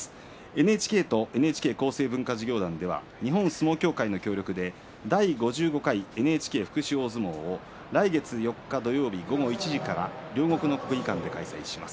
ＮＨＫとＮＨＫ厚生文化事業団では日本相撲協会の協力で第５５回ＮＨＫ福祉大相撲を来月４日土曜日午後１時から両国の国技館で開催します。